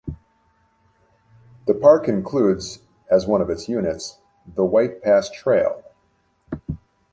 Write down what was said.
The park includes as one of its units the White Pass Trail.